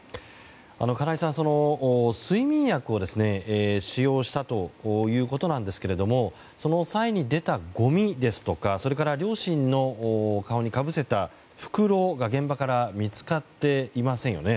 金井さん、睡眠薬を使用したということですけどもその際に出たごみですとか両親の顔にかぶせた袋が現場から見つかっていませんよね。